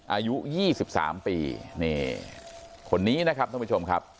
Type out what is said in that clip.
อายุ๒๓ปีนี่คนนี้นะครับท่านผู้ชมครับ